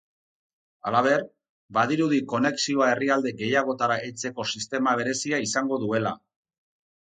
Halaber, badirudi konexioa herrialde gehiagotara heltzeko sistema berezia izango duela.